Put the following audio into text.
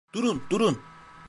Durun, durun.